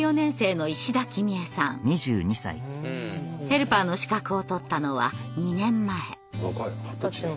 ヘルパーの資格を取ったのは２年前。